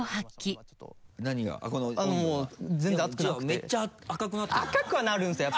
めっちゃ赤くなってる。